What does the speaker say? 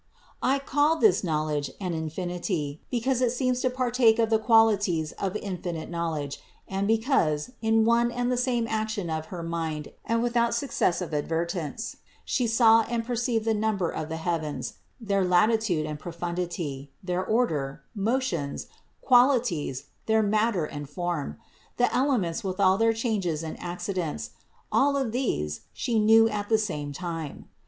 I call this knowl edge an infinity, because it seems to partake of the quali ties of infinite knowledge and because, in one and the same action of her mind and without successive ad vertence, She saw and perceived the number of the heavens, their latitude and profundity, their order, motions, qualities, their matter and form; the elements with all their changes and accidents : all of these She 38 CITY OF GOD knew at the same time.